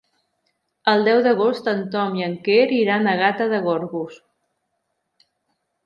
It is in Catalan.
El deu d'agost en Tom i en Quer iran a Gata de Gorgos.